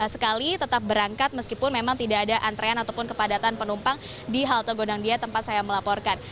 sekali tetap berangkat meskipun memang tidak ada antrean ataupun kepadatan penumpang di halte gondangdia tempat saya melaporkan